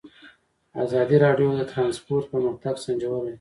ازادي راډیو د ترانسپورټ پرمختګ سنجولی.